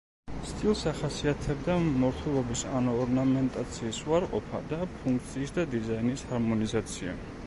სტილს ახასიათებდა მორთულობის ანუ ორნამენტაციის უარყოფა და ფუნქციის და დიზაინის ჰარმონიზაცია.